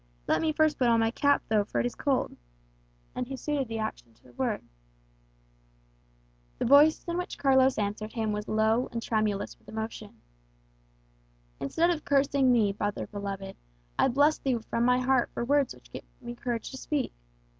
Let me first put on my cap though, for it is cold," and he suited the action to the word. The voice in which Carlos answered him was low and tremulous with emotion. "Instead of cursing thee, brother beloved, I bless thee from my heart for words which give me courage to speak.